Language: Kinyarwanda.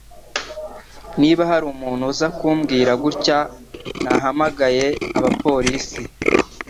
Niba hari umuntu uza kumbwira gutya nahamagaye abapolisi